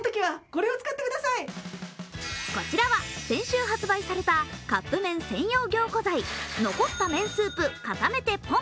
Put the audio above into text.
こちらは、先週発売されたカップ麺専用凝固剤、残った麺スープ固めてポン。